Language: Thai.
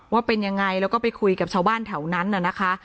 ว่าเป็นยังไงแล้วก็ไปคุยกับชาวบ้านแถวนั้นน่ะนะคะ